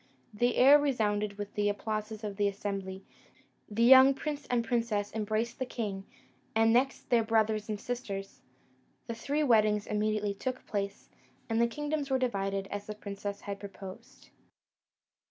The air resounded with the applauses of the assembly: the young prince and princess embraced the king, and next their brothers and sisters: the three weddings immediately took place, and the kingdoms were divided as the princess had proposed.